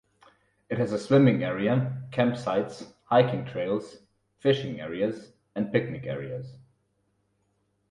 It has a swimming area, camp sites, hiking trails, fishing areas, and picnic areas.